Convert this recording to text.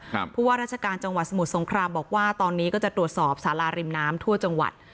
เพราะว่าราชการจังหวัดสมุทรสงครามบอกว่าตอนนี้ก็จะตรวจสอบสาราริมน้ำทั่วจังหวัด